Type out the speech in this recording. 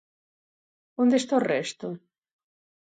¿Onde está o resto?